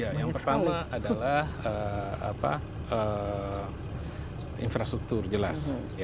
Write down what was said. ya yang pertama adalah infrastruktur jelas